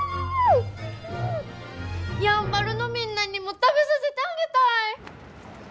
やんばるのみんなにも食べさせてあげたい！